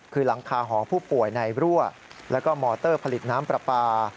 คือหลังคาหอผู้ป่วยในรั่วแล้วก็มอเตอร์ผลิตน้ำปลาปลา